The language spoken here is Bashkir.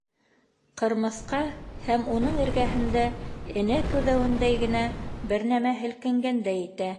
— Ҡырмыҫҡа һәм уның эргәһендә энә күҙәүендәй генә бер нәмә һелкенгәндәй итә.